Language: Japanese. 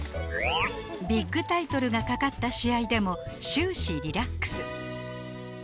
ビッグタイトルがかかった試合でも終始リラックス